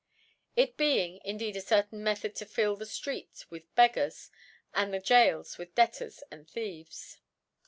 It being indeed a certain Method to fill the Streets with Beggars, and the Goals with Debtors and Thieves.